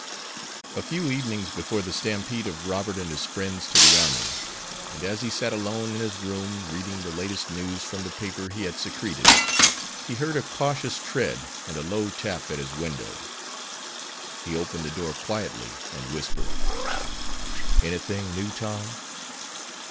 A few evenings before the stampede of Robert and his friends to the army, and as he sat alone in his room reading the latest news from the paper he had secreted, he heard a cautious tread and a low tap at his window. He opened the door quietly and whispered: "Anything new, Tom?"